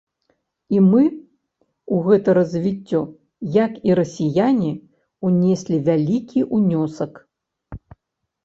І мы ў гэта развіццё, як і расіяне, унеслі вялікі ўнёсак.